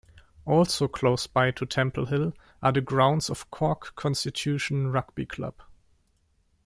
Also close-by to Temple Hill are the grounds of Cork Constitution Rugby Club.